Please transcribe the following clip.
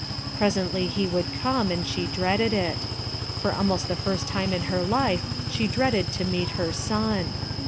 Presently he would come, ood she dreaded it. For almost the first time • h er life she dreaded to meet her son.